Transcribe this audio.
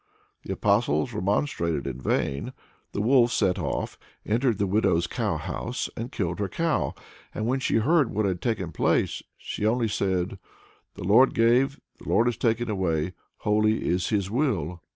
The Apostles remonstrated in vain. The wolf set off, entered the widow's cow house, and killed her cow. And when she heard what had taken place, she only said: "The Lord gave, the Lord has taken away. Holy is His will!"